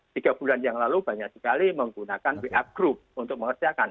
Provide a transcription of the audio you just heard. tiga bulan yang lalu banyak sekali menggunakan wa group untuk mengerjakan